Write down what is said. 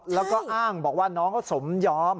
แล้วก็อ้างบอกว่าน้องเขาสมยอม